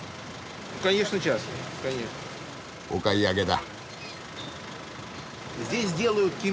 お買い上げだ。